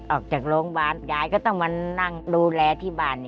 ออกจากโรงพยาบาลยายก็ต้องมานั่งดูแลที่บ้าน